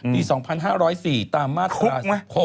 ๒๕๐๔ตามมาตรา๖๖